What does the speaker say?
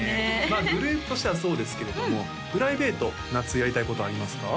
まあグループとしてはそうですけれどもプライベート夏やりたいことありますか？